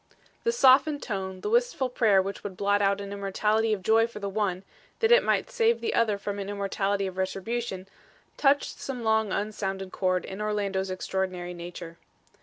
The softened tone, the wistful prayer which would blot out an immortality of joy for the one, that it might save the other from an immortality of retribution, touched some long unsounded chord in Orlando's extraordinary nature.